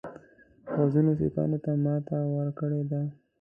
پوځونو سیکهانو ته ماته ورکړې ده.